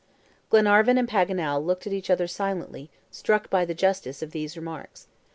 Glenarvan and Paganel looked at each other silently, struck by the justice of these remarks.